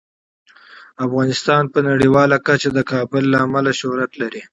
افغانستان په نړیواله کچه د کابل له امله شهرت لري.